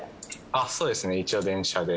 そうですね一応電車で。